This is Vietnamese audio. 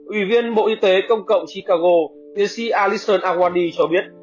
ủy viên bộ y tế công cộng chicago tiến sĩ allison agwadi cho biết